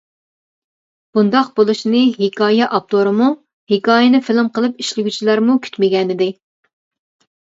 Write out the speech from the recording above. بۇنداق بولۇشىنى ھېكايە ئاپتورىمۇ، ھېكايىنى فىلىم قىلىپ ئىشلىگۈچىلەرمۇ كۈتمىگەنىدى.